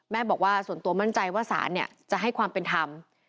บอกว่าส่วนตัวมั่นใจว่าศาลจะให้ความเป็นธรรม